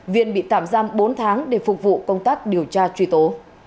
viên bị tạm giam bốn tháng để phục vụ công tác điều tra truy tố